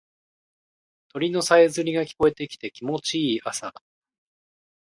鳥のさえずりが聞こえてきて気持ちいい朝だ。